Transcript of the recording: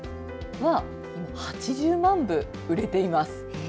今８０万部売れています。